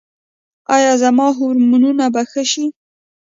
ایا زما هورمونونه به ښه شي؟